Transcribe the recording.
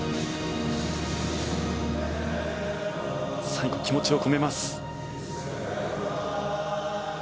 最後、気持ちを込めます。